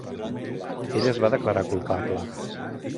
Ell es va declarar culpable.